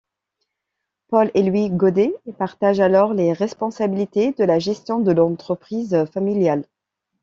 Paul et Louis Godet partagent alors les responsabilités de la gestion de l’entreprise familiale.